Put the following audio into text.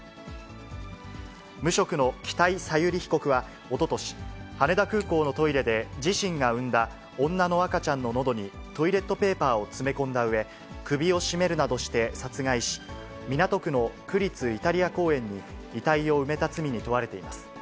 無職の北井小百合被告は、おととし、羽田空港のトイレで、自身が産んだ女の赤ちゃんののどにトイレットペーパーを詰め込んだうえ、首を絞めるなどして殺害し、港区の区立イタリア公園に遺体を埋めた罪に問われています。